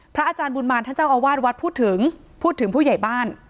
อาจารย์บุญมารท่านเจ้าอาวาสวัดพูดถึงพูดถึงผู้ใหญ่บ้าน